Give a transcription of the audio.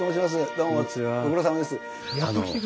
どうもご苦労さまです。